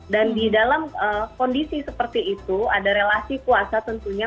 dan di dalam kondisi seperti itu ada relasi puasa tentunya